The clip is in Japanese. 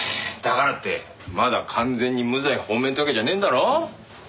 だからってまだ完全に無罪放免ってわけじゃねえんだろ。